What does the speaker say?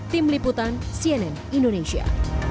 tim liputan cnn indonesia